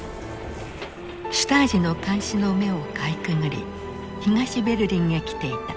シュタージの監視の目をかいくぐり東ベルリンへ来ていた。